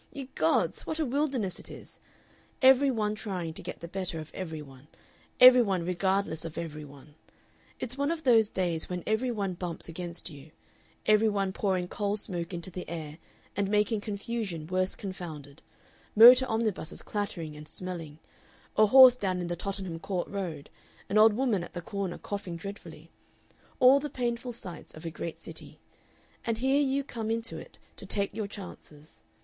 Ye gods! what a wilderness it is! Every one trying to get the better of every one, every one regardless of every one it's one of those days when every one bumps against you every one pouring coal smoke into the air and making confusion worse confounded, motor omnibuses clattering and smelling, a horse down in the Tottenham Court Road, an old woman at the corner coughing dreadfully all the painful sights of a great city, and here you come into it to take your chances.